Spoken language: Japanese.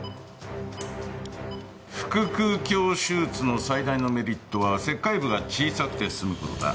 腹腔鏡手術の最大のメリットは切開部が小さくて済む事だ。